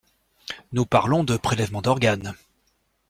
Nous parlons de prélèvements d’organes.